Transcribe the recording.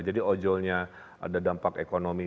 jadi ojol nya ada dampak ekonomi